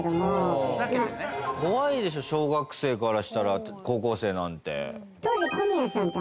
怖いでしょ小学生からしたら高校生なんて。